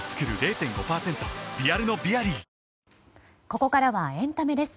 ここからはエンタメです。